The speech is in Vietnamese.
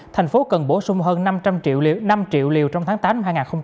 thành phố cần bổ sung hơn năm trăm linh triệu liều trong tháng tám năm hai nghìn hai mươi một